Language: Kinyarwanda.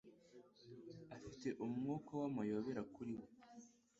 Afite umwuka w'amayobera kuri we.